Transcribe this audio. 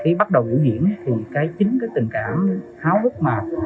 khi bắt đầu vũ diễn thì cái chính cái tình cảm háo bức mạc